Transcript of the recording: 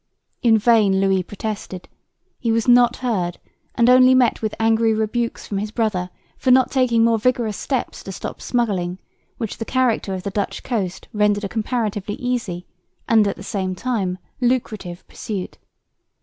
In vain Louis protested; he was not heard and only met with angry rebukes from his brother for not taking more vigorous steps to stop smuggling, which the character of the Dutch coast rendered a comparatively easy and, at the same time, lucrative pursuit.